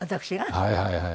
はいはいはい。